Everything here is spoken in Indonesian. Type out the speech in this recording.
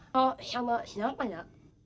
diutus sama siapa ya